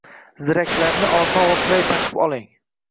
Ziraklarni oson va qulay taqib oling.